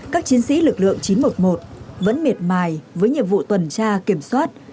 các chiến sĩ lực lượng chín trăm một mươi một vẫn miệt mài với nhiệm vụ tuần tra kiểm soát